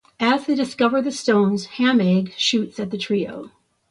As they discover the stones, Ham Egg shoots at the trio.